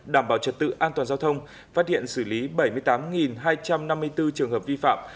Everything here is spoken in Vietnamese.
đảm bảo trật tự an toàn giao thông phát hiện xử lý bảy mươi tám hai trăm năm mươi bốn trường hợp vi phạm